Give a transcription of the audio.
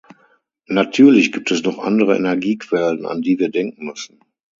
Natürlich gibt es noch andere Energiequellen, an die wir denken müssen.